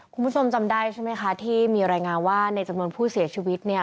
คุณผู้ชมจำได้ใช่ไหมคะที่มีรายงานว่าในจำนวนผู้เสียชีวิตเนี่ย